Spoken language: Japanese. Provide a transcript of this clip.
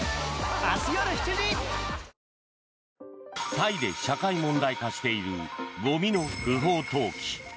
タイで社会問題化しているゴミの不法投棄。